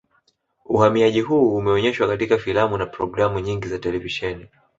Uhamiaji huu umeonyeshwa katika filamu na programu nyingi za televisheni